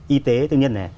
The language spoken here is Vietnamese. y tế tư nhân này